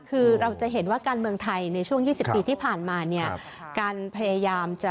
คือเราจะเห็นว่าการเมืองไทยในช่วง๒๐ปีที่ผ่านมาเนี่ย